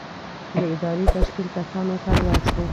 د ادارې تشکیل کسانو ته لوړ شو.